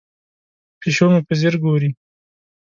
پیشو مې په ځیر ګوري.